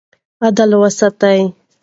عدل وساتئ.